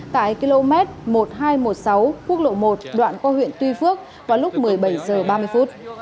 tại km một nghìn hai trăm một mươi sáu quốc lộ một đoạn qua huyện tuy phước vào lúc một mươi bảy h ba mươi phút